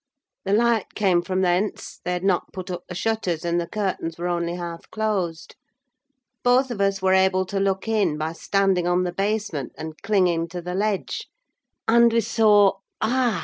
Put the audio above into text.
The light came from thence; they had not put up the shutters, and the curtains were only half closed. Both of us were able to look in by standing on the basement, and clinging to the ledge, and we saw—ah!